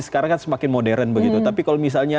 sekarang kan semakin modern begitu tapi kalau misalnya